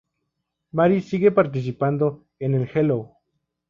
Mari sigue participando en el Hello!